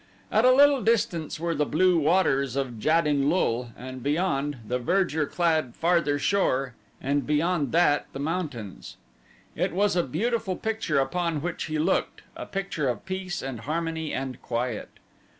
At a little distance were the blue waters of Jad in lul and beyond, the verdure clad farther shore, and beyond that the mountains. It was a beautiful picture upon which he looked a picture of peace and harmony and quiet.